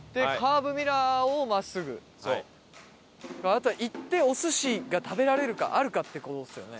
あとは行ってお寿司が食べられるかあるかって事ですよね。